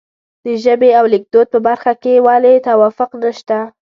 د ژبې او لیکدود په برخه کې ولې توافق نشته.